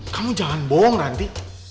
kamu jangan bohong ranti